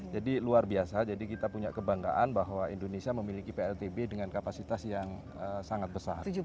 jadi luar biasa jadi kita punya kebanggaan bahwa indonesia memiliki pltb dengan kapasitas yang sangat besar